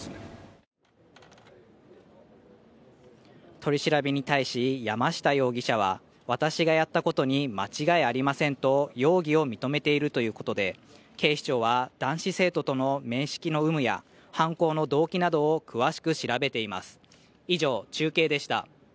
取り調べに対し山下容疑者は私がやったことに間違いありませんと容疑を認めているということで、警視庁は、男子生徒との面識の有無や犯行の動機などを詳しく調べています。